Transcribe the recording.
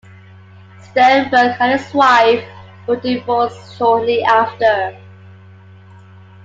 Sternberg and his wife were divorced shortly after.